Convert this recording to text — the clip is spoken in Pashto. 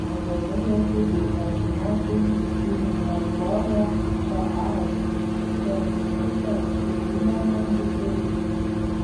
ازادي راډیو د تعلیمات د نجونو لپاره په اړه تاریخي تمثیلونه وړاندې کړي.